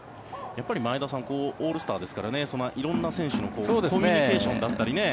やっぱり前田さんオールスターですから色んな選手のコミュニケーションだったりね。